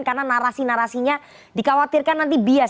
karena narasi narasinya dikhawatirkan nanti bias